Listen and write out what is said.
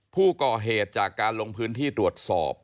ผู้ก่อเหตุจากการลงพื้นที่ตรวจสอบ